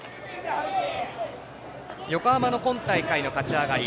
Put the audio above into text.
横浜の今大会の勝ち上がり。